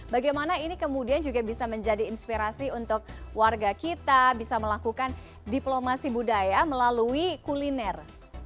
bagaimana ini kemudian juga bisa menjadi inspirasi untuk warga kita bisa melakukan diplomasi budaya melalui kuliner